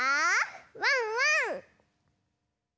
ワンワン！